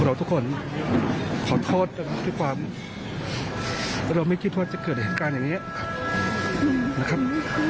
พวกเราทุกคนขอโทษที่เราไม่คิดว่าจะเกิดแห่งการอย่างนี้นะครับ